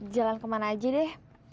jalan kemana aja deh